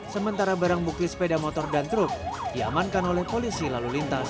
sementara barang bukti sepeda motor dan truk diamankan oleh polisi lalu lintas